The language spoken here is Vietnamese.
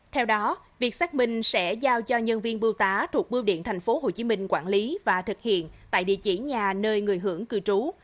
theo đó việc xác minh sẽ giao cho nhân viên bưu tá thuộc bưu điện tp hcm quản lý và thực hiện tại địa chỉ nhà nơi người hưởng cư trú